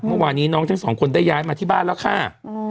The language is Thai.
เมื่อวานนี้น้องทั้งสองคนได้ย้ายมาที่บ้านแล้วค่ะ